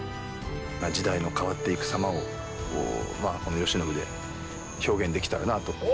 時代の変わっていく様をこの慶喜で表現できたらなぁと。